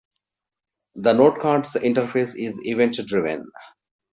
The NoteCards interface is event-driven.